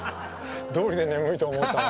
どうりで眠いと思ったわ。